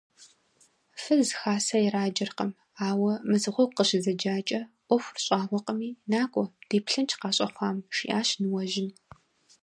Фыз хасэ ираджэркъым, ауэ мызыгъуэгу къыщызэджакӀэ, Ӏуэхур щӀагъуэкъыми, накӀуэ, деплъынщ къащӀэхъуам, – жиӏащ ныуэжьым.